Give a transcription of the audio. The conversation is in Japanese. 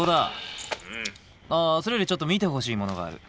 あそれよりちょっと見てほしいものがある。